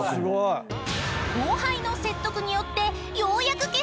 ［後輩の説得によってようやく結成したずん］